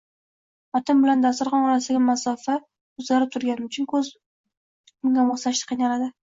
Matn bilan dasturxon orasidagi masofa o‘zgarib turgani uchun ko‘z bunga moslashishda qiynaladi.